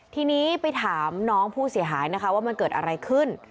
ทีนี้ไปถามน้องผู้เสียหายนะคะว่ามันเกิดอะไรขึ้น